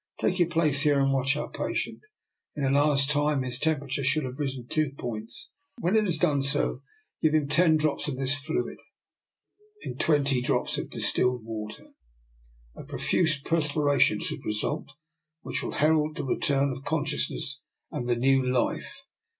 Take your place here and watch our pa tient. In an hour's time his temperature should have risen two points. When it has done so, give him ten drops of this fluid in twenty drops of distilled water. A profuse perspiration should result, which will herald the return of consciousness and the new life.